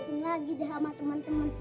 gak dilagakin lagi deh sama temen temen